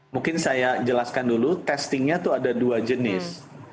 mungkin saya jelaskan dulu testingnya itu ada dua jenis